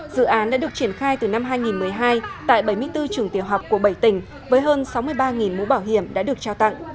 dự án đã được triển khai từ năm hai nghìn một mươi hai tại bảy mươi bốn trường tiểu học của bảy tỉnh với hơn sáu mươi ba mũ bảo hiểm đã được trao tặng